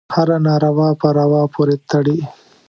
هره ناروا په روا پورې تړي.